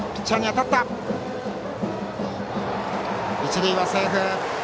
一塁はセーフ。